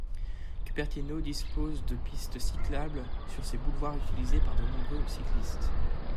Cupertino dispose de pistes cyclables sur ses boulevards utilisées par de nombreux cyclistes.